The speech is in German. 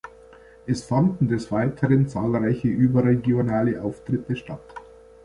Es fanden des Weiteren zahlreiche überregionale Auftritte statt.